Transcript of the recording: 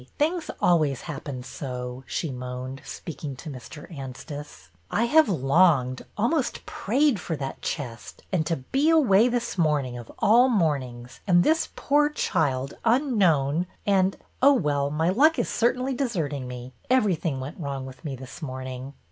Things always happen so !" she moaned, speak ing to Mr. Anstice. " I have longed, almost prayed, for that chest, and to be away this morn ing of all mornings, and this poor child unknown and — Oh, well, my luck is certainly deserting me. Everything went wrong with me this morning."